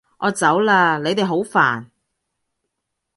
我走喇！你哋好煩